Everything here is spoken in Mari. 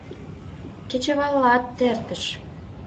— Кечывалат эртыш...